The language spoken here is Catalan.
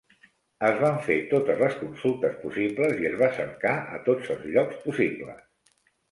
Es van fer totes les consultes possibles i es va cercar a tots els llocs possibles.